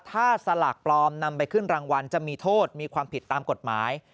ถ้าสลากปลอมนำไปขึ้นรางวัลจะมีโทษมีความผิดตามกฎหมาย